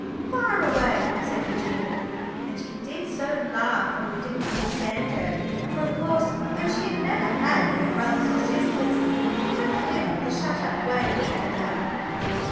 "Fire away," said Regina, and she did so laugh when we didn't understand her; for, of course, though she had never had any brothers or sisters, she hadn't lived the shut up way we had done.